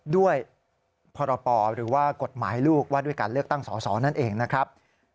ด้วยพรปหรือว่ากฎหมายลูกว่าด้วยการเลือกตั้งสอสอนั่นเองนะครับ